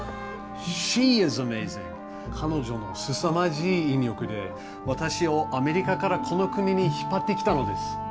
彼女のすさまじい引力で私をアメリカからこの国に引っ張ってきたのです。